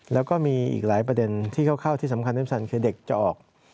แล้วก็มีอีกหลายประเด็นที่เข้าที่สำคัญในพฤติกรรมคือเด็กเจ้าออก